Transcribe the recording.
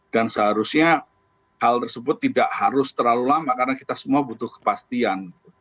dan seharusnya hal tersebut tidak harus terlalu lama karena kita semua butuh kepastian